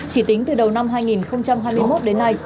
chỉ tính từ đầu năm hai nghìn hai mươi một đến nay